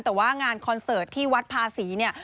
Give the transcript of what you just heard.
แต่ว่างานคอนเสิร์ตที่วัดภาษีเนี่ย